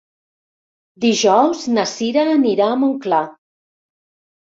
Dijous na Cira anirà a Montclar.